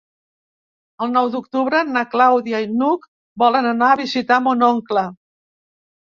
El nou d'octubre na Clàudia i n'Hug volen anar a visitar mon oncle.